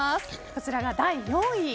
こちらが第４位。